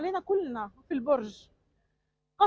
kami semua di perjalanan